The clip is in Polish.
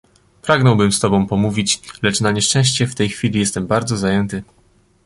"Pragnąłbym z tobą pomówić, lecz na nieszczęście w tej chwili jestem bardzo zajęty."